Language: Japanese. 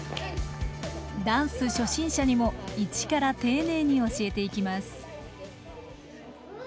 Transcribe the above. ダンス初心者にも一から丁寧に教えていきます。